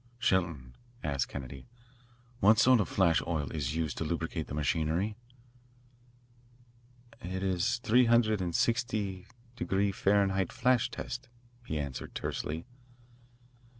"Shelton," asked Kennedy, "what sort of flash oil is used to lubricate the machinery?" "It is three hundred and sixty degree Fahrenheit flash test," he answered tersely.